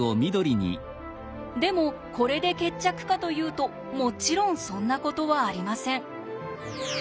でもこれで決着かというともちろんそんなことはありません。